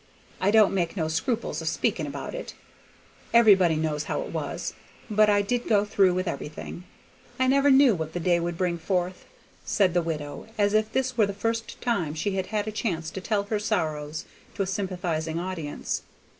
I don't make no scruples of speaking about it, everybody knows how it was, but I did go through with everything. I never knew what the day would bring forth," said the widow, as if this were the first time she had had a chance to tell her sorrows to a sympathizing audience.